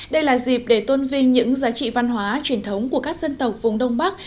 đây là dịp để tôn vinh những giá trị văn hóa truyền thống của các dân tộc vùng đông bắc